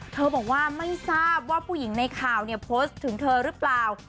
เธอบอกว่าไม่ทราบว่าผู้หญิงในข่าวเนี่ยโพสต์ถึงเธอหรือเปล่า